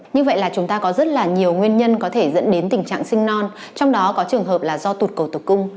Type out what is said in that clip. như vậy là chúng ta có rất là nhiều nguyên nhân có thể dẫn đến tình trạng sinh non trong đó có trường hợp là do tụt cổ tử cung